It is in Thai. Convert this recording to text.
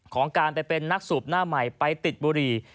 ของการไปเป็นนักสูบหน้าใหม่ไปติดบุหรี่